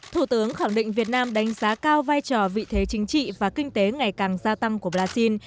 thủ tướng khẳng định việt nam đánh giá cao vai trò vị thế chính trị và kinh tế ngày càng gia tăng của brazil